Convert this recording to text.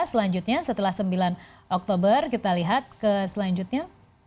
selanjutnya setelah sembilan oktober kita lihat ke selanjutnya